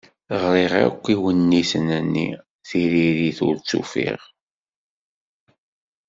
Ɣriɣ akk iwenniten-nni, tiririt ur tt-ufiɣ.